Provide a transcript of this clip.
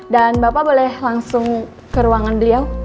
dan bapak boleh langsung ke ruangan beliau